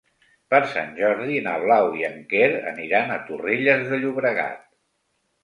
Per Sant Jordi na Blau i en Quer aniran a Torrelles de Llobregat.